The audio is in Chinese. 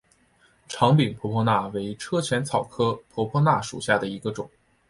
长柄婆婆纳为车前草科婆婆纳属下的一个种。